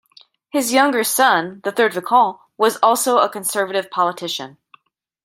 His younger son, the third Viscount, was also a Conservative politician.